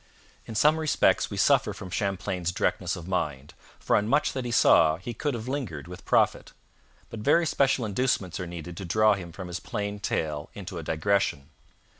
In some respects we suffer from Champlain's directness of mind for on much that he saw he could have lingered with profit. But very special inducements are needed to draw him from his plain tale into a digression.